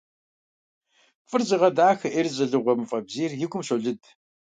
ФӀыр зыгъэдахэ, Ӏейр зылыгъуэ мафӀэбзийр и гум щолыд.